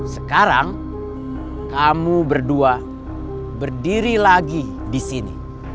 sekarang kamu berdua berdiri lagi disini